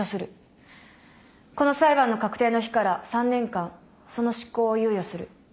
この裁判の確定の日から３年間その執行を猶予する。